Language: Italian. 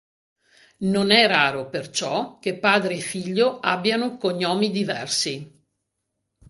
Non è raro, perciò, che padre e figlio abbiano "cognomi" diversi.